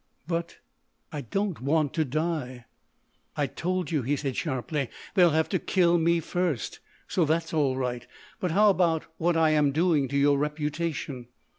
But ... I don't want to die." "I told you," he said sharply, "they'll have to kill me first. So that's all right. But how about what I am doing to your reputation?"